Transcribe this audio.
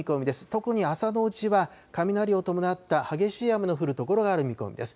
特に朝のうちは、雷を伴った激しい雨の降る所がある見込みです。